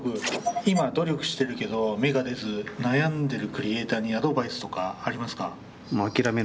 今努力してるけど芽が出ず悩んでるクリエーターにアドバイスとかありますか？